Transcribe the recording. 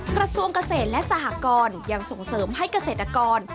กระทรวงเกษตรและสหกรยังส่งเสริมให้เกษตรกร